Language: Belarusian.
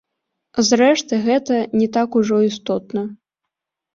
Зрэшты, гэта не так ужо істотна.